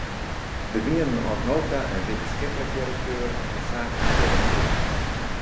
Der wienen oant no ta in wittenskiplik direkteur en in saaklik direkteur.